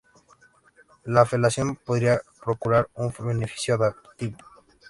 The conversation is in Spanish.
La felación podría procurar un beneficio adaptativo.